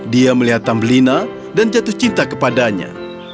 dia melihat tambelina dan jatuh cinta kepadanya